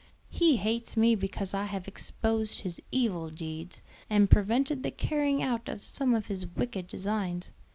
He hates me because I have exposed his evil deeds, and prevented the carrying out of some of his wicked designs.